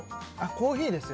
コーヒーです